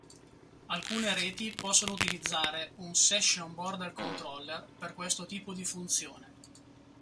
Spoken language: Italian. Alcune reti possono utilizzare un Session Border Controller per questo tipo di funzione.